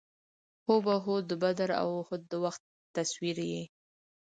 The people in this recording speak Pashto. هو بهو د بدر او اُحد د وخت تصویر یې.